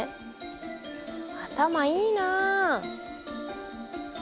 頭いいな。